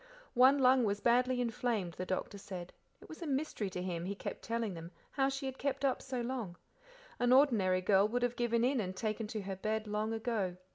One lung was badly inflamed, the doctor said; it was a mystery to him, he kept telling them, how she had kept up so long; an ordinary girl would have given in and taken to her bed long ago.